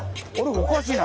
おかしいな。